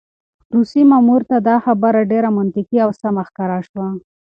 روسي مامور ته دا خبره ډېره منطقي او سمه ښکاره شوه.